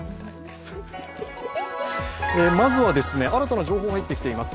まずは新たな情報が入ってきています。